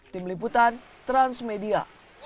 tim liputan transmedia